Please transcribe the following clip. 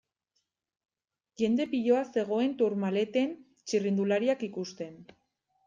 Jende piloa zegoen Tourmaleten txirrindulariak ikusten.